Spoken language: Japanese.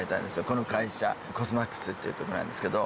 この会社コスマックスっていうとこなんですけど。